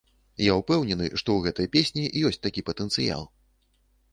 Я ўпэўнены, што ў гэтай песні ёсць такі патэнцыял.